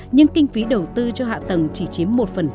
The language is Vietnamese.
nhưng kinh phí đầu tư cho hạ tầng chỉ chiếm một